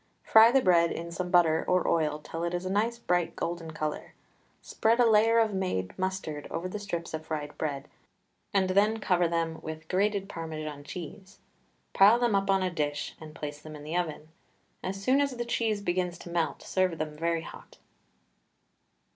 Fry the bread in some butter or oil till it is a nice bright golden colour. Spread a layer of made mustard over the strips of fried bread, and then cover them with grated Parmesan cheese, pile them up on a dish, and place them in the oven. As soon as the cheese begins to melt serve them very hot.